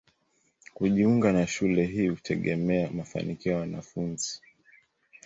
Kujiunga na shule hii hutegemea mafanikio ya mwanafunzi.